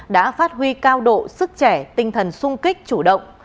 đã phát huy cao độ sức trẻ tinh thần sung kích chủ động